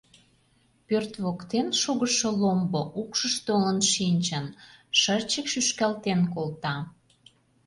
Пӧрт воктен шогышо ломбо укшыш толын шинчын, шырчык шӱшкалтен колта.